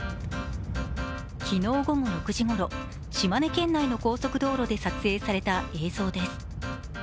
昨日午後６時ごろ島根県内の高速道路で撮影された映像です。